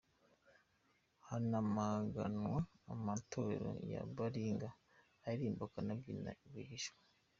Haramaganwa amatorero ya baringa aririmba akanabyina rwihishwa